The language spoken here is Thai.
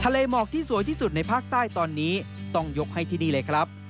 หมอกที่สวยที่สุดในภาคใต้ตอนนี้ต้องยกให้ที่นี่เลยครับ